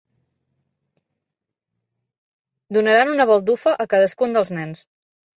Donaran una baldufa a cadascun dels nens.